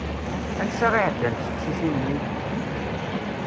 Ansa i ɛeddant teqcicin-nni?